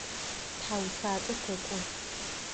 ТхьаусхакӀо тэкӀо.